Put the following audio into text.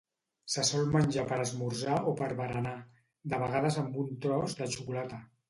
Se sol menjar per esmorzar o per berenar, de vegades amb un tros de xocolata.